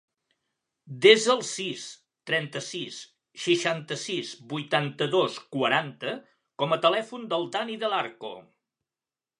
Desa el sis, trenta-sis, seixanta-sis, vuitanta-dos, quaranta com a telèfon del Dani Del Arco.